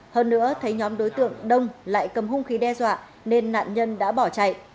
hơn nữa thấy nhóm đối tượng đông lại cầm hung khí đe dọa nên nạn nhân đã bỏ chạy